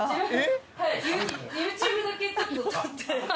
ＹｏｕＴｕｂｅだけちょっと撮って。